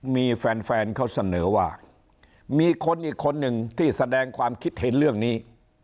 มีแฟนแฟนเขาเสนอว่ามีคนอีกคนหนึ่งที่แสดงความคิดเห็นเรื่องนี้